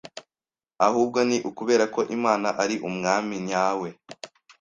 ahubwo ni ukubera ko Imana ari umwami nyawe